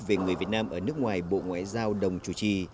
về người việt nam ở nước ngoài bộ ngoại giao đồng chủ trì